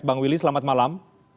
bang willy selamat malam